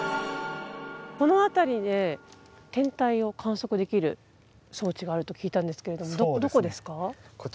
この辺りで天体を観測できる装置があると聞いたんですけれどもどこですか？